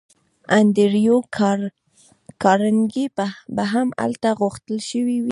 انډریو کارنګي به هم هلته غوښتل شوی وي